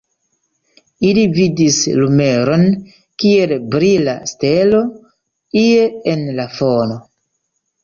Ili vidis lumeron, kiel brila stelo, ie en la fono.